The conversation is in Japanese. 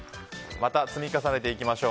また積み重ねていきましょう。